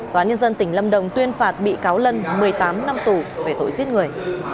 tòa nhân dân tỉnh lâm đồng tuyên phạt bị cáo lân một mươi tám năm tù về tội giết người